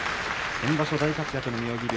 先場所大活躍の妙義龍